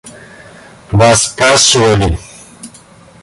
Вас спрашивали.